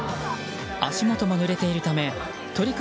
足元もぬれているため取組